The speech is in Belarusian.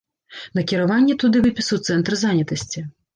Накіраванне туды выпісаў цэнтр занятасці.